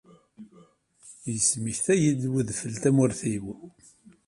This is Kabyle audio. Yesmektay-iyi-d wedfel tamurt-iw.